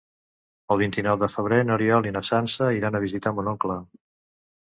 El vint-i-nou de febrer n'Oriol i na Sança iran a visitar mon oncle.